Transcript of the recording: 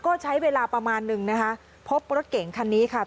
ก็ใช้เวลาประมาณนึงนะคะพบรถเก่งคันนี้ค่ะ